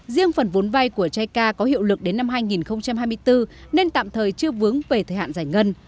riêng phần vốn vai của chai ca có hiệu lực đến năm hai nghìn hai mươi bốn nên tạm thời chưa vướng về thời hạn giải ngân